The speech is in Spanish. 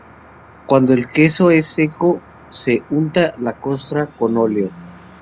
Cuando el queso es seco se unta la costra con óleo.